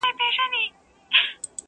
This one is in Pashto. دواړي تلي مي سوځیږي په غرمو ولاړه یمه؛